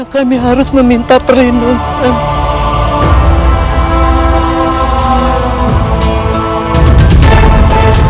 kami harus meminta perlindungan